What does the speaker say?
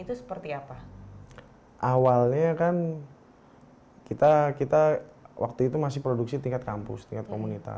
rido berpikir bahwa ini adalah keuntungan yang sangat penting untuk membuatnya lebih berkualitas